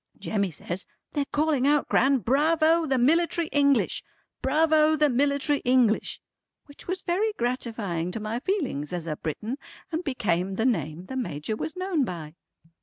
Jemmy says, "They're calling out Gran, Bravo the Military English! Bravo the Military English!" which was very gratifying to my feelings as a Briton and became the name the Major was known by.